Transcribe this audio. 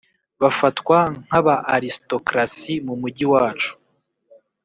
bafatwa nkaba aristocracy mumujyi wacu.